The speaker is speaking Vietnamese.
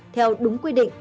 theo đúng quy định